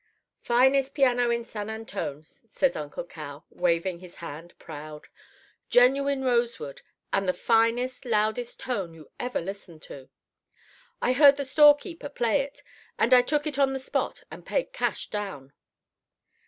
"'Finest piano in San Antone,' says Uncle Cal, waving his hand, proud. 'Genuine rosewood, and the finest, loudest tone you ever listened to. I heard the storekeeper play it, and I took it on the spot and paid cash down.